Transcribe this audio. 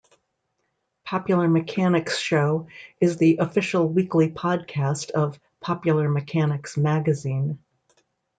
Popular Mechanics Show is the official weekly podcast of "Popular Mechanics" magazine.